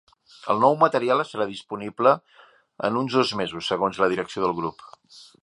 El nou material estarà disponible en uns dos mesos segons la direcció del grup.